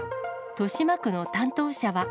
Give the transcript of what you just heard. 豊島区の担当者は。